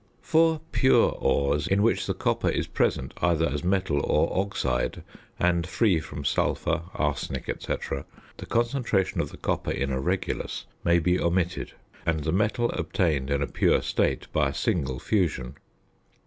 For pure ores in which the copper is present, either as metal or oxide, and free from sulphur, arsenic, &c., the concentration of the copper in a regulus may be omitted, and the metal obtained in a pure state by a single fusion.